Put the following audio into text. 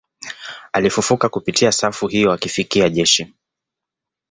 Alifufuka kupitia safu hiyo akifikia jeshi